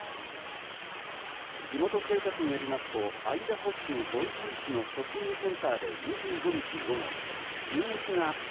地元警察によりますとアイダホ州ボイジー市のショッピングセンターで２５日午後、銃撃があった。